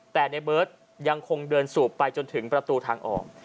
แต่ในเบิร์ตยังคงเดินสูบไปจนถึงประตูทางออก